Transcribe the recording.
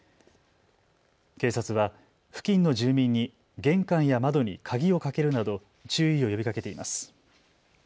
警察は付近の住民に玄関や窓に鍵をかけるなど注意を呼びかけています。